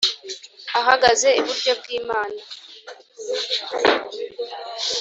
Ahagaze iburyo bw imana